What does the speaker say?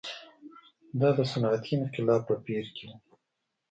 دا د صنعتي انقلاب په پېر کې و.